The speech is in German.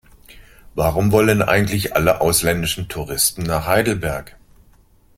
Warum wollen eigentlich alle ausländischen Touristen nach Heidelberg?